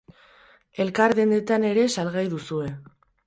Elkar dendetan ere salgai duzue.